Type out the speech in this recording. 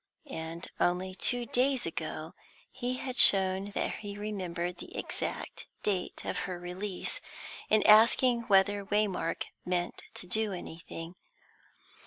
And, only two days ago, he had shown that he remembered the exact date of her release, in asking whether Waymark meant to do anything.